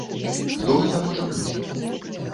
Хто гэта можа быць?